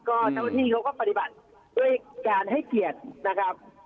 ก็เจ้าหน้าที่เขาก็ปฏิบัติด้วยการให้เกียรตินะครับ